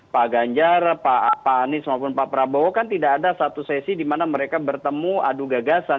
pak ganjar pak anies maupun pak prabowo kan tidak ada satu sesi di mana mereka bertemu adu gagasan